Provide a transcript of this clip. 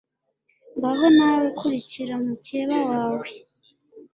ngaho nawe kurikira mukeba wawe